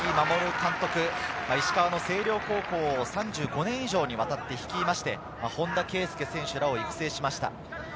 護監督、石川の星稜高校を３５年以上にわたって率いまして、本田圭佑選手らを育成しました。